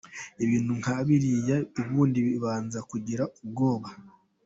ibintu nka biriya ubundi ubanza kugira ubwoba.